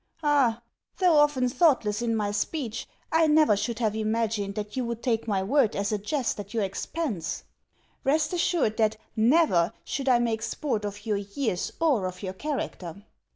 Ah! Though often thoughtless in my speech, I never should have imagined that you would take my words as a jest at your expense. Rest assured that NEVER should I make sport of your years or of your character.